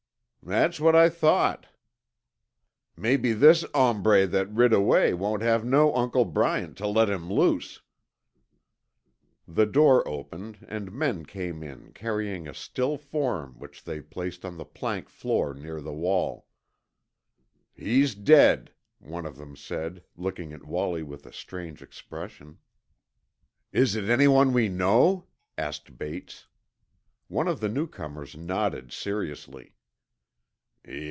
"That's what I thought." "Mebbe this hombre that rid away won't have no Uncle Bryant tuh let him loose." The door opened, and men came in carrying a still form which they placed on the plank floor near the wall. "He's dead," one of them said, looking at Wallie with a strange expression. "Is it anyone we know?" asked Bates. One of the newcomers nodded seriously.